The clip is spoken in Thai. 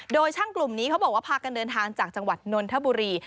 โดยช่างกลุ่มนี้เขาบอกว่าพากันเดินทางจากจังหวัดนนทบุรี